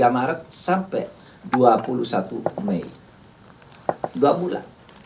tiga maret sampai dua puluh satu mei dua bulan